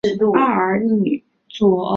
返台后任教则于台湾大学中文系。